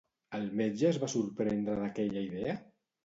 El metge es va sorprendre d'aquella idea?